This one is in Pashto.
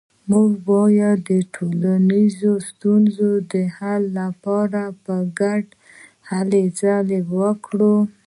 موږ باید د ټولنیزو ستونزو د حل لپاره په ګډه هلې ځلې وکړو